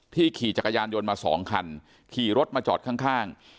ขี่จักรยานยนต์มา๒คันขี่รถมาจอดข้าง